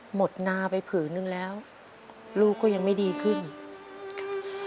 นาไปผืนนึงแล้วลูกก็ยังไม่ดีขึ้นค่ะ